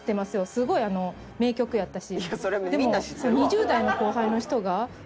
すごい名曲やったし。